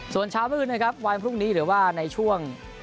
ส่วนเช้ามืดนะครับวันพรุ่งนี้หรือว่าในช่วง